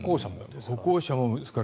歩行者もですか？